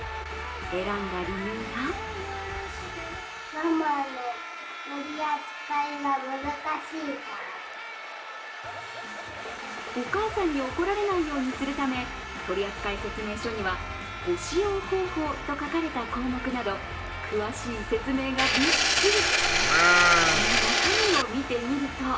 選んだ理由がお母さんに怒られないようにするため取扱説明書には、ご使用方法と書かれた項目など詳しい説明がびっしり。